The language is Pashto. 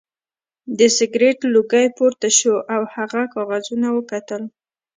د سګرټ لوګی پورته شو او هغه کاغذونه وکتل